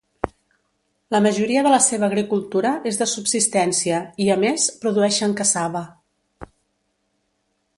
La majoria de la seva agricultura és de subsistència i, a més, produeixen cassava.